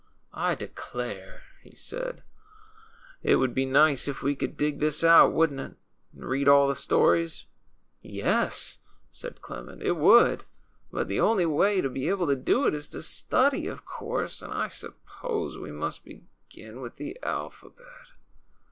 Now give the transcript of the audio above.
I declare," he said, it would be nice if we could dig this out, wouldn't it, and read all the stories?" ^^Yes," said Clement, ^^it would. But the only way to be able to do it is to study, of course ; and I suppose we must begin with the alphabet."